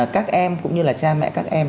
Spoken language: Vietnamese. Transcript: các em cũng như là cha mẹ các em